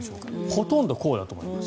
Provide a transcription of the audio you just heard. ほとんどこうだと思うんです。